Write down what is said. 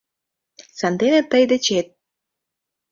Сандене тый дечет